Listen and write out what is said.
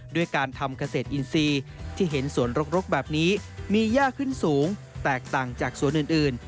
ด้วยการทำเกษตรอินทรีย์ที่เห็นสวนรกแบบนี้มียากขึ้นสูงแตกต่างจากสวนอื่น